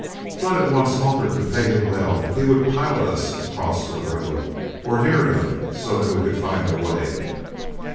Flood at once offered to pay him well if he would pilot us across to the road, or near enough so that we could find our way.